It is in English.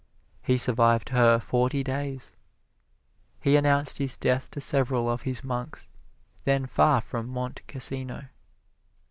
He survived her forty days. He announced his death to several of his monks, then far from Monte Cassino.